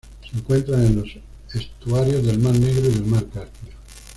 Se encuentra en los estuarios del mar Negro y del mar Caspio.